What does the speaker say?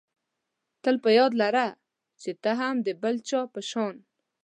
تل په یاد لره چې ته هم د بل هر چا په شان.